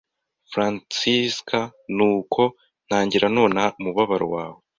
Franziska nuko ntangira nonaha umubabaro wawe